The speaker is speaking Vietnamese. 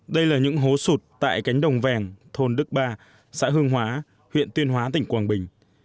đây là những hố sụt tại cánh đồng vàng thôn đức ba xã hương hóa huyện tuyên hóa tỉnh quảng bình